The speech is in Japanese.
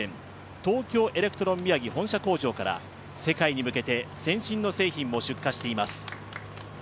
東京エレクトロン宮城本社工場から世界に向けて先進の製品を出荷しています。